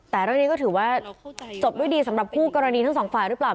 แต่เรื่องนี้ก็ถือว่าจบด้วยดีสำหรับคู่กรณีทั้งสองฝ่ายหรือเปล่า